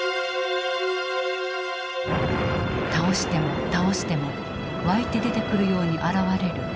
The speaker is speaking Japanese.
倒しても倒しても湧いて出てくるように現れるソ連兵。